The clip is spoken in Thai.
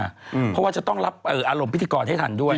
เพราะว่าจะต้องรับอารมณ์พิธีกรให้ทันด้วย